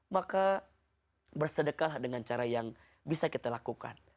maka bersedekahlah dengan cara yang bisa kita lakukan